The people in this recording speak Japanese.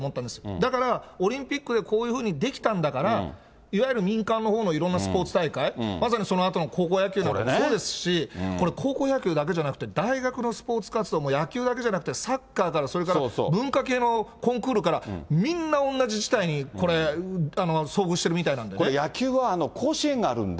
だから、オリンピックでこういうふうにできたんだから、いわゆる民間のほうのいろんなスポーツ大会、まさにそのあとの高校野球なんかそうですし、これ、高校野球だけじゃなくて、大学のスポーツ活動も、野球だけじゃなくてサッカーから、それから文化系のコンクールから、みんな同じ事態にこれ、遭遇してるみたいなんでね。これ、野球は甲子園があるんで、